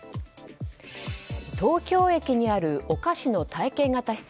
東京駅にあるお菓子の体験型施設